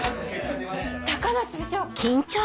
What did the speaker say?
高梨部長！